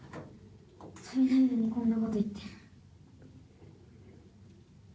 それなのにこんなこと言って。